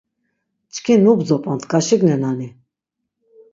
Çkin mu bzop̆ont gaşignenani?